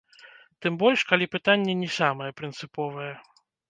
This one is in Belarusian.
Тым больш, калі пытанне не самае прынцыповае.